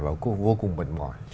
và cũng vô cùng bận mỏi